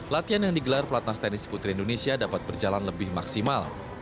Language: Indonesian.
latihan yang digelar pelatnas tenis putri indonesia dapat berjalan lebih maksimal